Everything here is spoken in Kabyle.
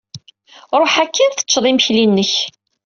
Ṛuḥ akkin, teččeḍ imekli-inek.